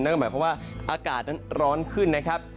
หมายความว่าอากาศนั้นร้อนขึ้นนะครับ